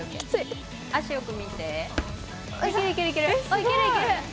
いけるいける！